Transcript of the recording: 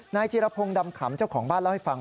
จีรพงศ์ดำขำเจ้าของบ้านเล่าให้ฟัง